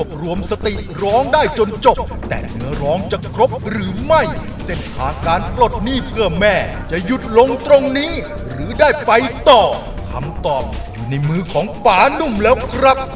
รวมสติร้องได้จนจบแต่เนื้อร้องจะครบหรือไม่เส้นทางการปลดหนี้เพื่อแม่จะหยุดลงตรงนี้หรือได้ไปต่อคำตอบอยู่ในมือของป่านุ่มแล้วครับ